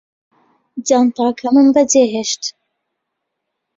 جانتاکەمم بەجێهێشت